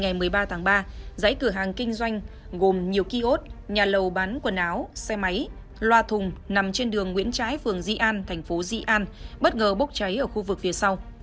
bảy h một mươi năm ngày một mươi ba tháng ba giấy cửa hàng kinh doanh gồm nhiều kiosk nhà lầu bán quần áo xe máy loa thùng nằm trên đường nguyễn trái phường di an tp di an bất ngờ bốc cháy ở khu vực phía sau